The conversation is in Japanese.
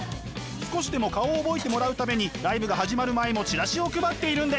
少しでも顔を覚えてもらうためにライブが始まる前もチラシを配っているんです。